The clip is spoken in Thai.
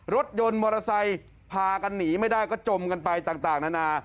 รถยนต์มอเตอร์ไซค์พากันหนีไม่ได้ก็จมกันไปต่างนานา